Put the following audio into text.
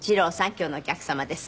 今日のお客様です。